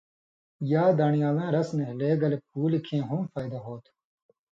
یا دان٘ڑیالاں رس نھیلہ گلے پُولیۡ کھیں ہُم فائده ہوتُھو۔